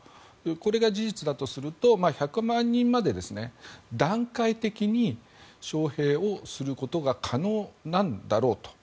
これが事実だとすると１００万人まで、段階的に将兵をすることが可能なんだろうと。